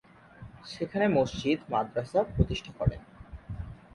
সেখানে মসজিদ, মাদ্রাসা প্রতিষ্ঠা করেন।